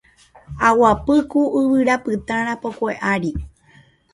Aguapy ku yvyrapytã rapokue ári